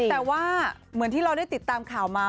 แต่ว่าเหมือนที่เราได้ติดตามข่าวมา